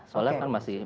solar kan masih